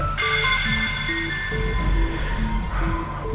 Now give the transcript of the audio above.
bakal bikin sepaka itu